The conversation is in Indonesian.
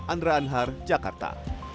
andra alhar jakarta